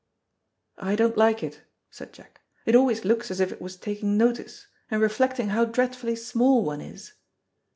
"I don't like it," said Jack; "it always looks as if it was taking notice, and reflecting how dreadfully small one is."